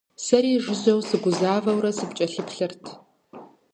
Сэри жыжьэу сыгузавэурэ сыпкӀэлъыплъырт.